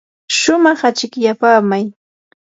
shumaq achikyapaamay.